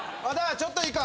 ちょっといいか？